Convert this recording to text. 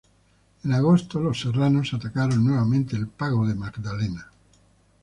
En agosto los serranos atacaron nuevamente el pago de Magdalena.